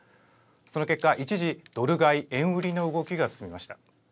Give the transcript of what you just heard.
その結果、一時ドル買い円売りの動きが進みました。